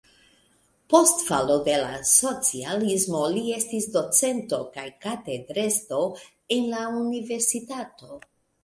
Post falo de la socialismo li estis docento kaj katedrestro en la universitato.